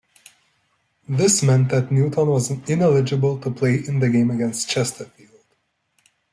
This meant that Newton was ineligible to play in the game against Chesterfield.